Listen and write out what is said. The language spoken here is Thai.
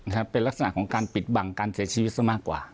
ครับเป็นลักษณะของการปิดบังการเสียชีวิตซะมากกว่า